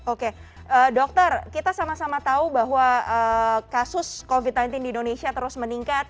oke dokter kita sama sama tahu bahwa kasus covid sembilan belas di indonesia terus meningkat